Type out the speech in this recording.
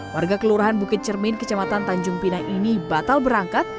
warga kelurahan bukit cermin kecamatan tanjung pinang ini batal berangkat